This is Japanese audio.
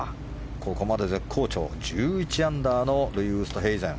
ここまで絶好調、１１アンダーのルイ・ウーストヘイゼン。